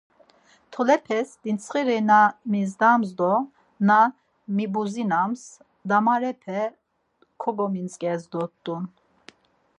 Tolepes ditsxiri na mizdams do na mibuzinams damarepe kogomintzǩes dort̆un.